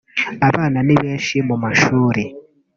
abana ni benshi mu mashuri